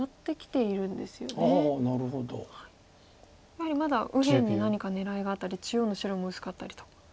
やはりまだ右辺に何か狙いがあったり中央の白も薄かったりと。